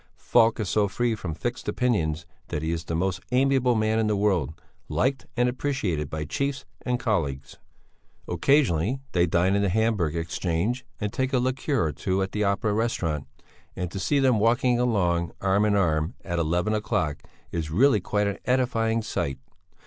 Falk is so free from fixed opinions that he is the most amiable man in the world, liked and appreciated by chiefs and colleagues. Occasionally they dine in the Hamburg Exchange and take a liqueur or two at the Opera Restaurant, and to see them walking along arm in arm, at eleven o'clock, is really quite an edifying sight.